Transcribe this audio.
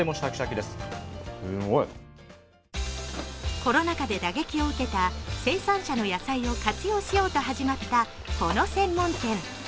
コロナ禍で打撃を受けた生産者の野菜を活用しようと始まったこの専門店。